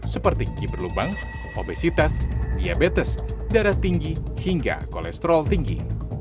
seperti kiberlubang obesitas diabetes darah tinggi hingga kolesterol tinggi